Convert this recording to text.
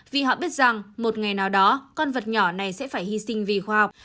vì họ biết rằng một ngày nào đó con vật nhỏ này sẽ phải hy sinh vì khoa học